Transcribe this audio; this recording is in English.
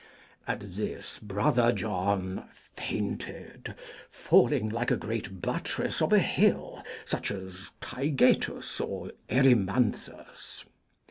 At this Brother John fainted, falling like a great buttress of a hill, such as Taygetus or Erymanthus.